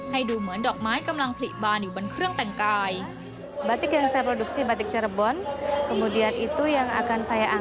ให้ดูเหมือนดอกไม้กำลังผลิบานอยู่บนเครื่องแต่งกาย